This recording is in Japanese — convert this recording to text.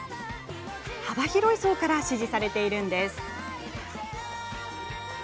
幅広い層から支持されているんです。